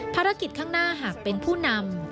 ข้างหน้าหากเป็นผู้นำ